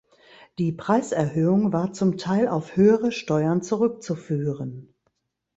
Die Preiserhöhung war zum Teil auf höhere Steuern zurückzuführen.